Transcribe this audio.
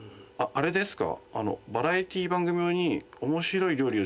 あれですか？